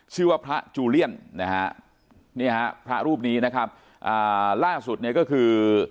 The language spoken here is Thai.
ชื่อว่าพระจูเลียนนะฮะเนี่ยฮะพระรูปนี้นะครับอ่าล่าสุดเนี่ยก็คือ